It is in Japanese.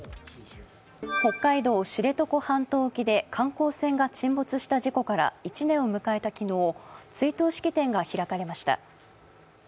北海道・知床半島沖で観光船が沈没した事故から１年を迎えた昨日追悼式典が開かれました。